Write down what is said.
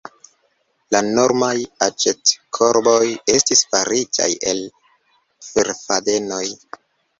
La normaj aĉetkorboj estis faritaj el ferfadenoj.